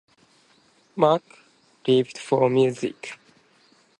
Mack lived for music.